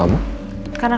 ketinggalan ini rumah